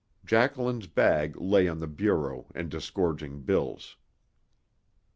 Jacqueline's bag lay on the bureau and disgorging bills.